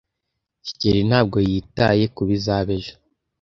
kigeli ntabwo yitaye kubizaba ejo.